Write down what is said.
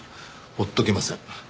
放っとけません。